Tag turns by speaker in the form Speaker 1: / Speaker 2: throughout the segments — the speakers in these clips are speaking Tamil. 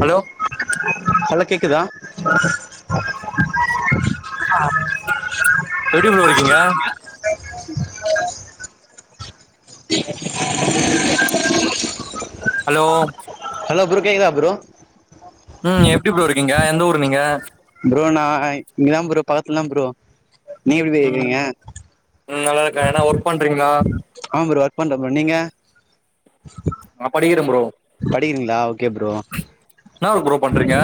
Speaker 1: ஹலோ
Speaker 2: ஹலோ கேக்குதா
Speaker 1: எப்டி ப்ரோ இருக்கீங்க ஹலோ
Speaker 2: ஹலோ ப்ரோ கேக்குதா ப்ரோ
Speaker 1: ம் எப்டி ப்ரோ இருக்கீங்க எந்த ஊரு நீங்க
Speaker 2: ப்ரோ நான் இங்கதா ப்ரோ பக்கத்துல்ல தா ப்ரோ நீங்க எப்படி
Speaker 1: ம்
Speaker 2: இருக்குறீங்க
Speaker 1: ம் நல்லா இருக்கே என்ன ஒர்க் பண்றீங்களா
Speaker 2: ஆமா ப்ரோ ஒர்க் பண்ரேன் ப்ரோ நீங்க
Speaker 1: ஆ படிக்கிறேன் ப்ரோ
Speaker 2: படிக்கிறீங்களா ஓகே ப்ரோ
Speaker 1: என்ன ஒர்க் ப்ரோ பண்றீங்க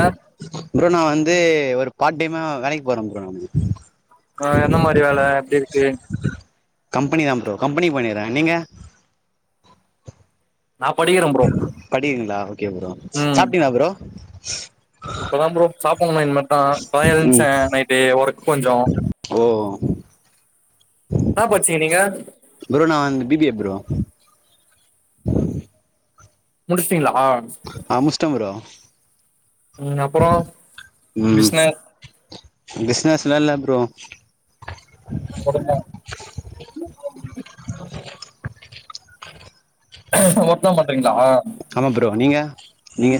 Speaker 2: ப்ரோ நா வந்து ஒரு பார்ட் டைமா வேலைக்கு போறேன் ப்ரோ
Speaker 1: ஆ எந்த மாதிரி வேல எப்டி இருக்கு
Speaker 2: கம்பெனி தான் ப்ரோ கம்பெனி போய்னுகிறேன் நீங்க
Speaker 1: நா படிக்கிறே ப்ரோ
Speaker 2: படிக்கீறிங்களா ஒக்கே ப்ரோ சாப்பிட்டீங்களா ப்ரோ ஹ
Speaker 1: இப்பதான் ப்ரோ சாப்பனும் இன்மட் ஆ இப்ப தான்
Speaker 2: ம்
Speaker 1: எழுஞ்சேன் நைட்டு ஒர்க் கொஞ்சோ
Speaker 2: ஓ
Speaker 1: என்னா பச்சீங்க நீங்க
Speaker 2: ப்ரோ நா வந்து பி பி ஏ ப்ரோ
Speaker 1: முடிச்சிடிங்களா
Speaker 2: அ முஷ்டேன் ப்ரோ
Speaker 1: உம் அப்போறம் பிசனஸ்
Speaker 2: பிசனஸ்லா இல்ல ப்ரோ நா
Speaker 1: ஒர்க்தா மொத்தம் பண்றீங்களா
Speaker 2: ஆமா ப்ரோ நீங்க நீங்க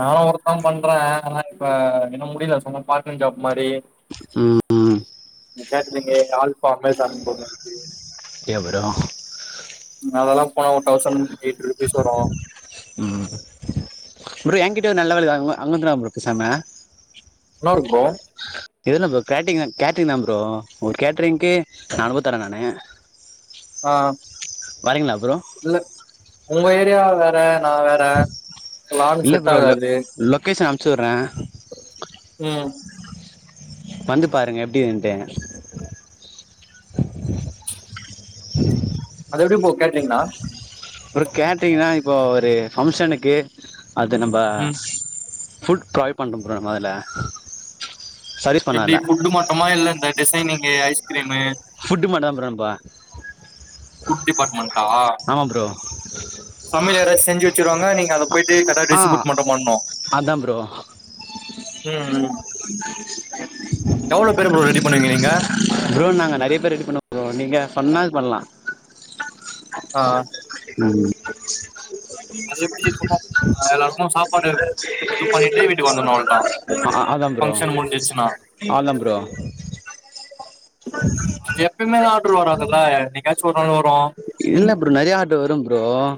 Speaker 1: நானும் ஒருத்தன் பண்றேன் ஆனா இப்ப என்னால முடியல சொன்ன பார்ட் டைம் ஜாப் [unintelligible] டேய்எ
Speaker 2: ம் ம்
Speaker 1: catering alpha Amazon
Speaker 2: okay bro
Speaker 1: அதெல்லாம் பாவம் டவுசன் எய்ட் ருபிஸ் வரோம்
Speaker 2: ப்ரோ யேன்க்கிட்ட ஒரு நல்ல வேலைக்து அங்க அங்கவந்துற தான் ப்ரோ பெசாம
Speaker 1: என்னா இருக்கு ப்ரோ
Speaker 2: எதுனா ப்ரோ கிரேட்டிங் கேட்டரிங் தான் ப்ரோ ஒரு கேட்ரிங்க்கே நாநுரூபா தரேன் நானு
Speaker 1: ஆ
Speaker 2: வரீங்களா ப்ரோ
Speaker 1: இல்ல உங்க ஏரியா வேற நான் வேற வானு செட் ஆகாது
Speaker 2: ச்சுரேன்
Speaker 1: ம்
Speaker 2: வந்து பாருங்க எப்படின்டு உஹ
Speaker 1: அது எப்டி போ கேட்ரிங்கனா
Speaker 2: அப்புறம் கேட்ரிங்னா இப்போ ஒரு ஃபங்ஷனுக்கு அது நம்ப
Speaker 1: ம்
Speaker 2: ஃபுல் ட்ரைவ் பண்றோன் ப்ரோ மொதல
Speaker 1: எப்படி ஃபுட் மட்டுமா இல்ல இந்த டிசைனிங்கு ஐஸ் கீரிம்மே
Speaker 2: ஃபுட்டு மட்டும் தான் ப்ரோ நம்ப
Speaker 1: ஃபுட் டிபார்ட்மண் ஆ
Speaker 2: ஆமா ப்ரோ
Speaker 1: சமயலெயேற செஞ்சு கிறான். ஆனா நீங்க அத போயிட்டு கரட்டா
Speaker 2: ஆ
Speaker 1: டிஸ்ட்பியூட் மட்டும் பண்ணோம்
Speaker 2: அதான்
Speaker 1: ம் எவ்ளோ பேரு ப்ரோ ரெடி பண்ணுவீங்க நீங்க
Speaker 2: புரோ நாங்க நிறைய பேர் ரெடி பண்ணோம் புரோ நீங்க சொன்ன என்றாவது பண்ணலாம்
Speaker 1: ஆஹ்
Speaker 2: ச்சீ [inaudible]
Speaker 1: அது எப்படி சொன்னாலும் எல்லாருக்கும் சாப்பாடு இது பண்ணிட்டே வீட்டுக்கு வந்தணும் அவள்தான்
Speaker 2: அ அதான் ப்ரோ
Speaker 1: ஃபங்சன் முடிஞ்சச்சுனா
Speaker 2: அதான் ப்ரோ
Speaker 1: அது எப்பமே ஆர்டர் வராதுல்ல என்னிக்காச்சும் ஒரு நாள் வரும்
Speaker 2: ஆஹ்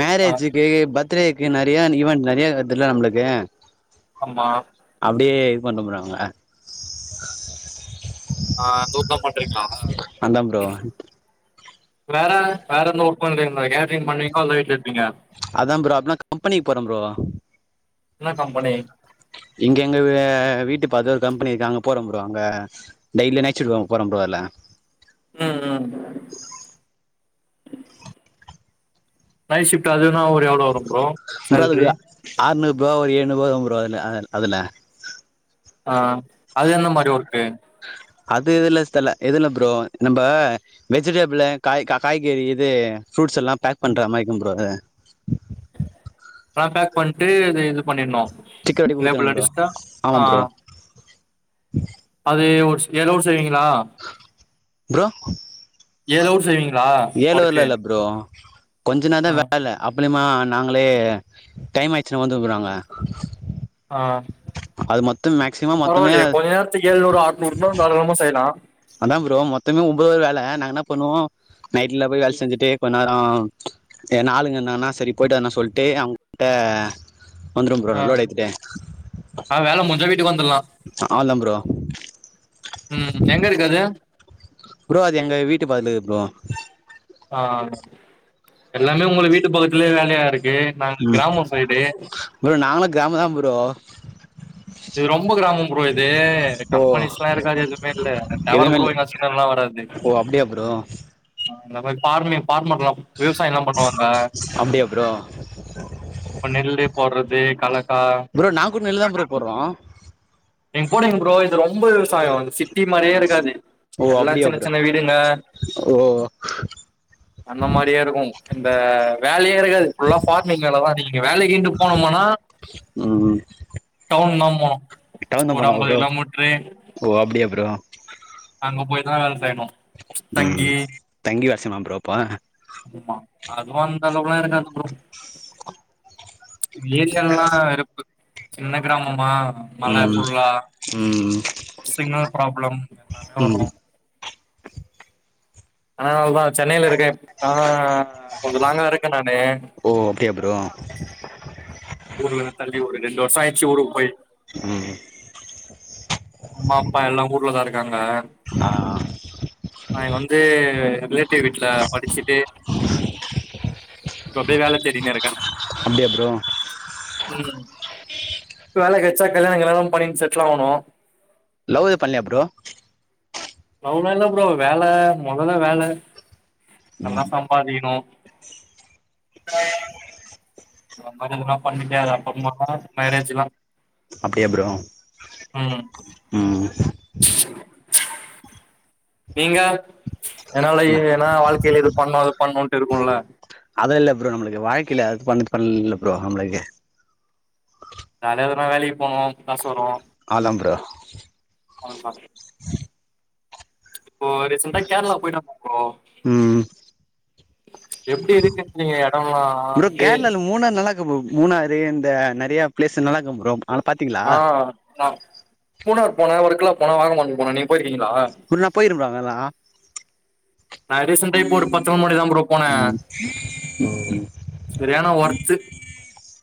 Speaker 2: மேரேஜ்க்கு பத் பர்த் டேக்கு நெறைய ஈவன்ட் நெறைய வருதுல்ல நம்மளுக்கு
Speaker 1: ஆமா
Speaker 2: அடியே இது பன்டுப்றாங்
Speaker 1: ஆ அந்த ஒர்க்கு தா பண்றிங்க
Speaker 2: நான் தான் புரோ
Speaker 1: வேற வேற எந்த ஒர்க் பண்ணறங்களா கேட்ட்ரிங் பண்ணீங்கனா
Speaker 2: அதா ப்ரோ அப்னா கம்பெனிக்கு போறன் புரோ
Speaker 1: என்ன கம்பெனி
Speaker 2: இங்க எங்க வீட்டு பக்கதுல ஒரு கம்பெனி இருக்கு அங்க போறோம் புரோ அங்க டெய்லி நைட் சிப்டு போறோம் ப்ரோ அதுல
Speaker 1: ம் ம் நைட் ஷிஃப்ட்ட அது கூட எவ்ளோ வரும் ப்ரோ சேல்ரி
Speaker 2: இப்பஒரு ஏழு [unintelligible] போதும் ப்ரோ அல அதுல
Speaker 1: ஆஹ் அது என்ன மறிவொர்க் பே [inaudible]
Speaker 2: அது இதுல்ல இதுல ப்ரோ நம்ப வெஜிடேபிள காய் காய்கறி இது ஃப்ருட்ஸ் எல்லாம் பேக் பண்ணுற மாரிக்கும் ப்ரோ அதுல
Speaker 1: ஆ பேக் பண்ணிட்டுது இது பண்ணிடனும்
Speaker 2: சிக்க அடி ஊத்தன ப்ரோ ஆமா ப்ரோ ம் [inaudible]
Speaker 1: ஒரு ஸ்கூக் ஏலூர் செய்வீங்க [unintelligible] ஆ
Speaker 2: ப்ரோ
Speaker 1: ஏலோருர் சேவிங்க் [unintelligible]
Speaker 2: வேலூர்ல இல்ல ப்ரோ ப [inaudible] கொஞ்ச நேரம்
Speaker 1: ஆ
Speaker 2: தா வேலை அப் ப்புலிமா நாங்களே டைம் ஆயுச்சுன்னா வந்து றாங்க
Speaker 1: ஆ
Speaker 2: மொத்தமே
Speaker 1: பரவால்லயே கொஞ்ச நேரத்துக் ஏழ்நூறு ஆர்நூறுனா தாராளமா செய்யலா
Speaker 2: அதா ப்ரோ மொத்தமே ஒம்போது வர் வேல நாங்க என்ன பண்ணுவோ நைட்ல போய் வேல் செஞ்சுட்டு கொஞ் நேரோ எதனா ஆளுங்க இருந்தாங்கன்னா செரி போயிட்டு வரொனா சொல்ட்டு அவுங்கிட்ட
Speaker 1: ஆ ஆ வேல முஞ்சா வீட்டுக்கு வந்துட்லா
Speaker 2: ஆல்தா ப்ரோ
Speaker 1: ம் எங்கருக்கு அது
Speaker 2: ப்ரோ அது எங்க வீட்டு பக்கத்லரு ப்ரோ
Speaker 1: ஆ எல்லாமே உங்களு வீட்டு பக்கத்லயே வேலையா இருக்
Speaker 2: ம் ப்ரோ நாங்களு கிராம தா ப்ரோ
Speaker 1: இது ரொம்ப கிராமம் ப்ரோ இது
Speaker 2: ஓ
Speaker 1: கம்பெனிஸ்லா இருக்காது எதுமே இல்ல டவர்
Speaker 2: எதுவுமே
Speaker 1: கூடொ
Speaker 2: இல்ல
Speaker 1: ஒயுங்கா சிக்னல்லா வராது
Speaker 2: ஓ அப்டியா ப்ரோ
Speaker 1: ஆ [unintelligible] ஃபார்மர்லா விவசாயல்லா பண்ணுவாங்க
Speaker 2: அப்டியா ப்ரோ
Speaker 1: இப்ப நெல்லு போட்றது கலக்கா
Speaker 2: ப்ரோ நாங்க கூட நெல்லு தா ப்ரோ போட்றோ
Speaker 1: நீங் போடுங்க ப்ரோ இது ரொம்ப விவசாயொ இது சிட்டி மாரியே இருக்காது
Speaker 2: ஓ
Speaker 1: எல்லா
Speaker 2: அப்டியா
Speaker 1: சின்ன
Speaker 2: ப்ரோ
Speaker 1: சின்ன வீடுங்க
Speaker 2: ஓ
Speaker 1: அந்த மாரியே இருக்கு இந்த வேலை யே இருக்காது ஃபுல்லா ஃபார்மிங் வேல தா நீங்க வேலைக்கின்டு போனுமானா டவுன்ந்தாம் போனு
Speaker 2: டவுன்ந்தா
Speaker 1: ஒரு
Speaker 2: போனா
Speaker 1: அம்பது
Speaker 2: ப்ரோ
Speaker 1: கிலோமீட்ரு
Speaker 2: ஓ அப்டியா ப்ரோ
Speaker 1: அங்க போய் தா வேல செய்னு
Speaker 2: ம் தங்கி வே செய்மா ப்ரோ அப்ப
Speaker 1: ஆமா அதுவு அந்த அளவுக்லா இருக்காது ப்ரோ ஏரியால்லா இருக்கு சின்ன கிராமமா மல
Speaker 2: ம்
Speaker 1: ஃபுல்லா
Speaker 2: ம்
Speaker 1: சிக்னல் ப்ராப்ளம் ஓ
Speaker 2: ம்
Speaker 1: ஆனா அவள்தா சென்னைலருக்கே ஆ கொஞ்சொ லாங்கா இருக்கே நானு
Speaker 2: ஓ அப்டியா ப்ரோ
Speaker 1: ஊர்லந்து தள்ளி ஒரு ரெண்டு வருஷ ஆயிருச்சு ஊருக்கு போய்
Speaker 2: ம்
Speaker 1: அம்மா அப்பா எல்லா ஊர்ல தா இருக்காங்க
Speaker 2: ஆ
Speaker 1: நா இங்க வந்து ரிலேட்டிவ் வீட்ல படிச்சுட்டு இப்ப அப்டியே வேல தேடினு இருக்கே
Speaker 2: அப்டியா ப்ரோ
Speaker 1: ம் வேல கெட் சா கல்யாணோ கில்யாணோ பண்ணிட் செட்லாவுனு
Speaker 2: லவ்வே பண்லயா ப்ரோ
Speaker 1: லவ்லா இல்ல ப்ரோ வேல மொதல்ல வேல நல்லா சம்பாதிக்கணு லவ் மேரஜ் எல்லா பண்ணிக்காத அப்பம்மா [unintelligible] மேரேஜுல்லா
Speaker 2: அப்டியா ப்ரோ
Speaker 1: ம்
Speaker 2: ம்
Speaker 1: நீங்க என்னால எ ஏன்னா வாழ்க்கையில இது பண்ணு அது பண்ணுன்ட்டு இருக்குல
Speaker 2: பண்ணிட் பண்லல்ல ப்ரோ ஆம்பளைக
Speaker 1: ஜாலியா எதுனா வேலைக் கு போனோ காசு வரு
Speaker 2: அவ்ளதா ப்ரோ
Speaker 1: [unintelligible] இப்ப ரீசண்டா கேரளா போயிட்டே [inaudible] ப்ரோ
Speaker 2: ம்
Speaker 1: எப்டி இருக்குன்றீங்க எடோல்லா அப்டியே
Speaker 2: க்கு ப்ரோ மூணாறு இந்த நெறைய பிளேஸு நல்லா இருக்கு ப்ரோ ஆனா பாத்தீங்களா
Speaker 1: ஆ பாத்தே மூணார் போனோ [unintelligible] போனோ வாகமான்க்கு போனோ நீங்க போயிருக்
Speaker 2: ப்ரோ நா போயிருக்கிறே ப்ரோ அங்கல்லா
Speaker 1: நா ரீசெண்டா இப்போ ஒரு பத்து நாள் முன்னாடி தா ப்ரோ போனே
Speaker 2: ம்
Speaker 1: சரியான ஒர்த்து
Speaker 2: ஓ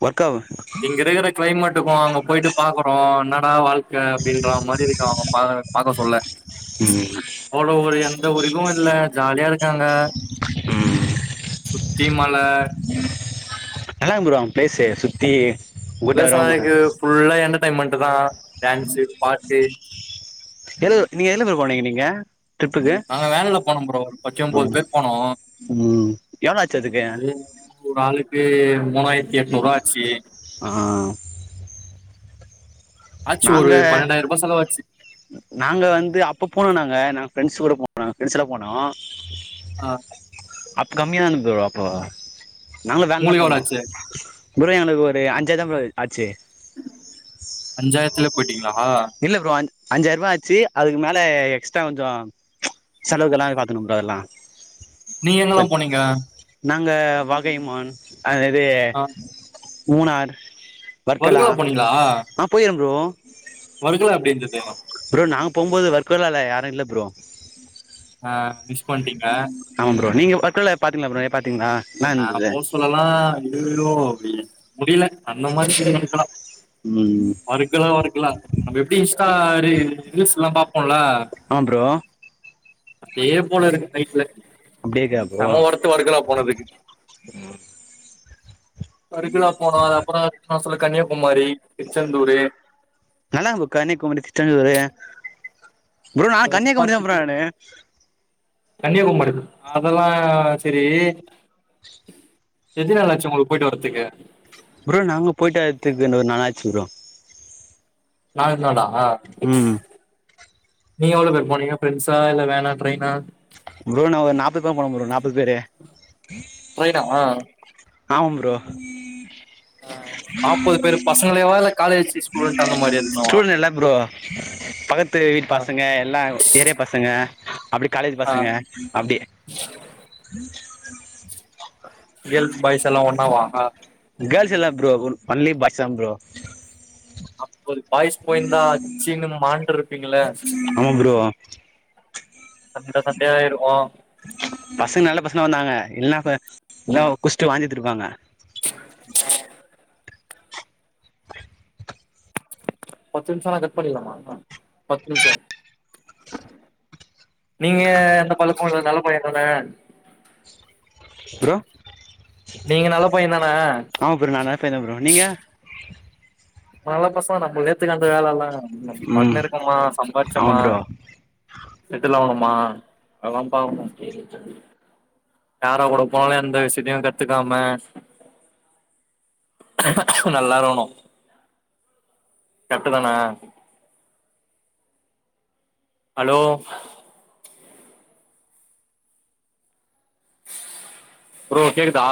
Speaker 1: இங்க இருக்குற கிளைமேட் டுக்கு அங்க போயிட்டு பாக்கறோ என்னா னா வாழ் க்க அப்டின்றா மாரி இருக்கு அவுங்க பா பாக்க சொல்ல அவ்ளோ ஒரு எந்த ஒரு இதுவு இல்ல ஜாலியா இருக்காங்க சுத்தியு மல
Speaker 2: நல்லாருக்கு ப்ரோ அங்க பிளேஸு சுத்தி
Speaker 1: பிளேஸ் நல்லா
Speaker 2: கூடாரம்
Speaker 1: இருக்கு ஃபுல்லா எண்டெர் டைன்மெண்ட்தா
Speaker 2: எது நீங்க எதுல ப்ரோ போனீங்க நீங் க
Speaker 1: நாங்க வேனுல போனோ ப்ரோ ஒரு பத்தொம்போது பேர் போனோ
Speaker 2: ம் எவ்ளோ ஆச்சு அதுக்கு
Speaker 1: அது ஒரு ஆளுக்கு மூவாயிரத்தி எட்நூறு ரூவா ஆச்சு
Speaker 2: ஆ
Speaker 1: ஆச்சு
Speaker 2: நாங்க
Speaker 1: ஒரு பன்னெண்டாயிர ரூபா செலவாச்சு
Speaker 2: நாங்க வந்து அப்ப போனோ நாங்க நா ஃப்ரண்ட்ஸ் கூட போனோ ஃப்ரெண்ட்ஸல்லா போனோ
Speaker 1: ஆ
Speaker 2: அப்ப கம்மியா இருந்துது ப்ரோ அப்போ நாங்களு வேன்லதா
Speaker 1: உங்களுக்கு எவ்ளோ
Speaker 2: போனோ
Speaker 1: ஆச்சு
Speaker 2: ப்ரோ எனக்கு ஒரு அஞ்சாயரந்தா ப்ரோ ஆச்சு
Speaker 1: அஞ்சாயரத்துல
Speaker 2: இல்ல ப்ரோ அஞ் அஞ்சாயர்ரூபா ஆச்சு அதுக்கு மேல எக்ஸ்ட்ரா கொஞ்சோ செலவுக்கெல்லா அது பாத்துக்கணு ப்ரோ எல்லா [inaudible]
Speaker 1: நீ எங்கெல்லாம் போனீங்க
Speaker 2: அந்த வகைமான் அது
Speaker 1: ஆ
Speaker 2: மூணார் வர்க்கலா
Speaker 1: வர்கலா போனீங்களா
Speaker 2: அ போயிரன் ப்ரோ
Speaker 1: வர்கலா எப்டி இருந்து
Speaker 2: ப்ரோ நாங்க போம்போது வர்க் கலல யாரு இல்ல ப்ரோ
Speaker 1: அ பண்ட்டீங்க
Speaker 2: பர்கலா பாத்தீங்களா ப்ரோ பாத்தீங்களா நல்லா
Speaker 1: அ
Speaker 2: இருந்தது
Speaker 1: போ சொல்லலா அய்யயோ அப்டி முடியல அந்த மாரி [unintelligible] தா
Speaker 2: ம்
Speaker 1: வர்க்கலா வர்க்கலா நம்ம எப்டி சாரே ரீல்ஸ்ல பாப்போம்ல
Speaker 2: அ ப்ரோ
Speaker 1: அதே போல இருக்கு லைஃப்ல சம வரத்து வருக்குறா போனதுக்கு
Speaker 2: உம் [inaudible]
Speaker 1: வர்கலா போன அப்றோ அ சொல்லு கன்னியாகுமரி
Speaker 2: நல்லா இருந்து கன்னியாகுமரி திருச்செந்தூரு ப்ரோ நா
Speaker 1: அதெல்லா
Speaker 2: கன்னியாகுமரி தா ப்ரோ நானு
Speaker 1: கன்னியாகுமரி அதெல்லா செரி
Speaker 2: [inaudible]
Speaker 1: எத்தின நாளாச்சு உங்களுக்கு போயிட்டு வரதுக்கு
Speaker 2: ப்ரோ நாங்க போயிட்டு வரதுக்கு இந்த ஒரு நாளாச்சு ப்ரோ
Speaker 1: நாலு நாளா அ
Speaker 2: ம்
Speaker 1: நீங்க எவ்ளோ பேரு போனீங்க ஃப்ரெண்ட்ஸா இல்ல வேனா ட்ரெயினா
Speaker 2: ப்ரோ நா ஒரு நாப்பது தா போட போறேன் நாப்பது பேரு
Speaker 1: ட்ரெயினா
Speaker 2: ஆமம் ப்ரோ
Speaker 1: நாப்பது பேரு பசங்களேவா இல்ல காலே
Speaker 2: சூழ்நில ப்ரோ பக்கத்து வீட்
Speaker 1: ஆ
Speaker 2: பசங்க எல்லா ஏரியா பசங்க அப்டி காலேஜ்
Speaker 1: ஆ
Speaker 2: பசங்க அப்டி
Speaker 1: இயல் பாய்ஸ் எல்லா ஒன்னா வாங்க
Speaker 2: கேர்ள்ஸ் இல்ல ப்ரோ ஒண்லி பாய்ஸ் தான் ப்ரோ
Speaker 1: அ ஒரு பாய்ஸ் போயிருந்தா அச்சினு மாண்ட்ரு
Speaker 2: ஆமா ப்ரோ
Speaker 1: சண்ட சண்டையாயிருவோம்
Speaker 2: பசங்க நல்ல பசங்க வந்தாங்க இல்ன்னா இல்னா குஷ்ட்டு வாந்தி எத்ருப்பாங்க
Speaker 1: ஆஹ பத்து நிம்சம் ஆனா கட் பண்ணிலாமா பத்து நிம்சம் நீங்க எந்த பழக்கோ இல்ல நல்ல பையன் தான
Speaker 2: ப்ரோ
Speaker 1: நல்ல பையன் தானே
Speaker 2: ஆமா ப்ரோ நான் நல்ல பையன் தான் ப்ரோ நீங்க
Speaker 1: நல்ல பசங்க நம்பலுக்கே தெரியும் அந்த வேலல்லாம் நம்
Speaker 2: ம்
Speaker 1: பாட்னு இருக்கமா
Speaker 2: ஆமா
Speaker 1: சம்பார்ச்சமா
Speaker 2: ப்ரோ
Speaker 1: செட்டுலாவ்ன்னும் ஆ அதான்பா யாரோ கூட போ எந்த விஷத்தையும் கத்துக்காம நல்லா இருணும் கட்டூ தானா ஹலோ புரோ கேக்குதா